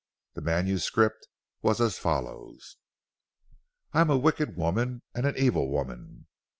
The manuscript was as follows: "I am a wicked woman and an evil woman.